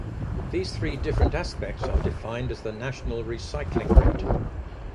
These three different aspects are defined as the National Recycling Rate.